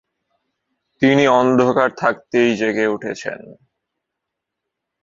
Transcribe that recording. তিনি অন্ধকার থাকতেই জেগে উঠেছেন।